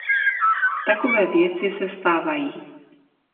Takové věci se stávají.